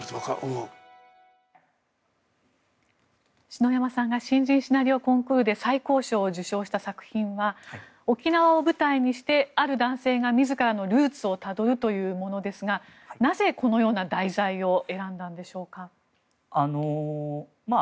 篠山さんが新人シナリオコンクールで最高賞を受賞した作品は沖縄を舞台にしてある男性が自らのルーツをたどるというものですがなぜこのような題材を選んだんでしょうか。